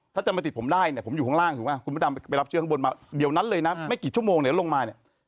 ถ้าจะมาติดผมได้เนี่ยผมอยู่ข้างล่างถูกไหมคุณพระดำไปรับเชื้อข้างบนมาเดี๋ยวนั้นเลยนะไม่กี่ชั่วโมงเดี๋ยวลงมาเนี่ย